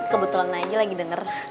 kebetulan aja lagi denger